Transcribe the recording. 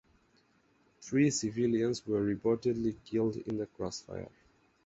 Three civilians were reportedly killed in the crossfire.